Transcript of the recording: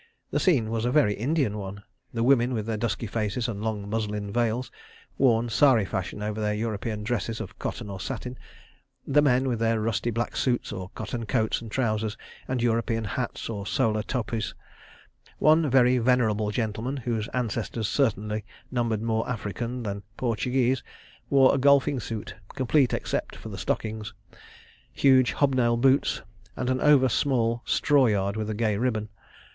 The scene was a very Indian one—the women, with their dusky faces and long muslin veils worn sari fashion over their European dresses of cotton or satin; the men, with their rusty black suits or cotton coats and trousers and European hats or solar topis. One very venerable gentleman, whose ancestors certainly numbered more Africans than Portuguese, wore a golfing suit (complete, except for the stockings), huge hob nailed boots, and an over small straw yard with a gay ribbon.